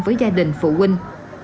với gia đình phụ huynh